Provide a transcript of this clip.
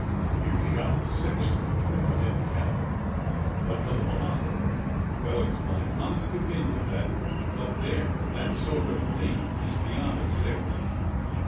"You shot the sexton," cut in the captain, "but for the mulatto — well, it's my honest opinion that — but there, that sort of thing is beyond a sailor.